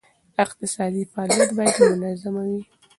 اقتصادي فعالیت باید منظمه وي.